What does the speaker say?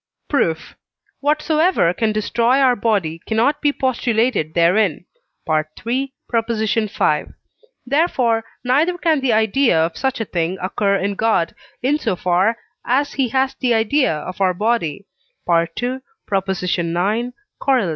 Proof. Whatsoever can destroy our body, cannot be postulated therein (III. v.). Therefore neither can the idea of such a thing occur in God, in so far as he has the idea of our body (II. ix. Coroll.)